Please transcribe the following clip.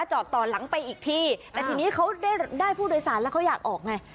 จอดต่อหลังไปอีกทีแต่ทีนี้เขาได้ได้ผู้โดยสารแล้วเขาอยากออกไง